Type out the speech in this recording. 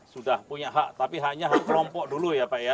sudah punya hak tapi hanya hak kelompok dulu ya pak ya